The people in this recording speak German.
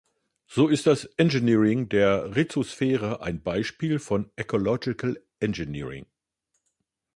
So ist das Engineering der Rhizosphäre ein Beispiel von "Ecological engineering".